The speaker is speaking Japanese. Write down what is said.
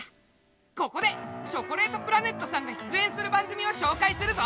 ここでチョコレートプラネットさんが出演する番組を紹介するぞ！